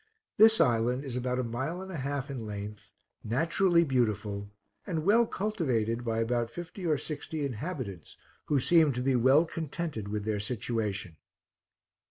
This island is about a mile and a half in length, naturally beautiful, and well cultivated by about fifty or sixty inhabitants, who seemed to be well contented with their situation.